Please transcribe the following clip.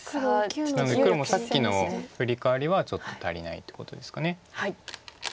なので黒もさっきのフリカワリはちょっと足りないってことですか。